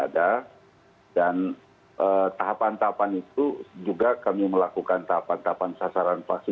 dan tahapan tahapan itu juga kami melakukan tahapan tahapan sasaran vaksin di indonesia